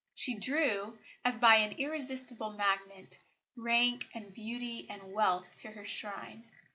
She drew, as by an irresistible magnet, rank and beauty and wealth to her shrine.